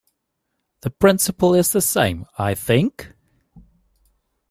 The principle is the same, I think?